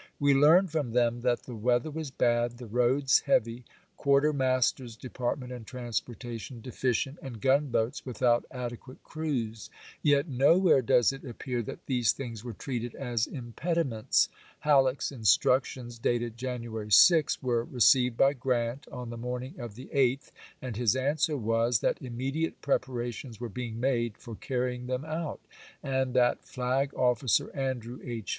We learn from them that the weather was bad, the roads heavy, quartermaster's depart ment and transportation deficient, and gunboats without adequate crews. Yet nowhere does it ap pear that these things were treated as impediments. Halleck's instructions, dated January 6, were re 1862. ceived by Grant on the morning of the 8th, and his answer was, that immediate preparations were being made for carrying them out, and that Flag of&cer Andrew H.